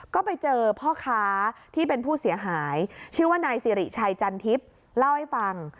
ก็ไปเจอพ่อค้าที่เป็นผู้เสียหายชื่อว่านายสิริชัยจันทิพย์เล่าให้ฟัง